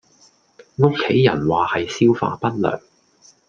屋企人話係消化不良